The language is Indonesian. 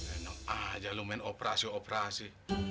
enak aja lo main operasi operasi